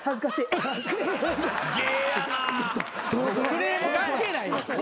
クレーム関係ない。